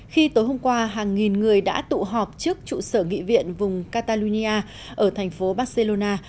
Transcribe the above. khi tối hôm qua hàng nghìn người đã tụ họp trước trụ sở nghị viện vùng catalonia ở thành phố barcelona